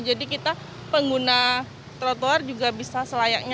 jadi kita pengguna trotoar juga bisa selayaknya